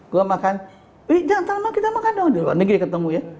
gue makan eh jangan terlalu kita makan dong di luar negeri ketemu ya